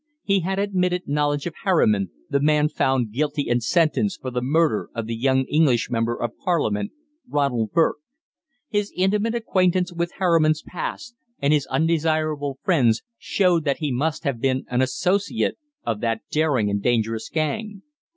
He had admitted knowledge of Harriman, the man found guilty and sentenced for the murder of the young English member of Parliament, Ronald Burke. His intimate acquaintance with Harriman's past and with his undesirable friends showed that he must have been an associate of that daring and dangerous gang.